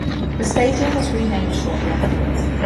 The stadium was renamed shortly afterwards.